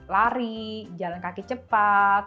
lari jalan kaki cepat